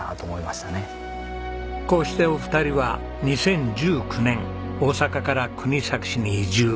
こうしてお二人は２０１９年大阪から国東市に移住。